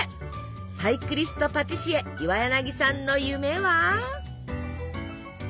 サイクリストパティシエ岩柳さんの夢は？